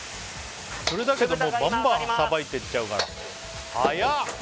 それだけどもうバンバンさばいていっちゃうから速っ！